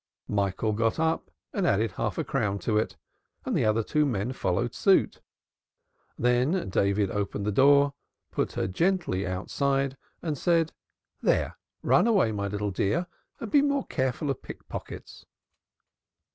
Michael got up and added half a crown to it, and the other two men followed suit. Then David opened the door, put her outside gently and said: "There! Run away, my little dear, and be more careful of pickpockets."